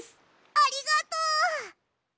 ありがとう！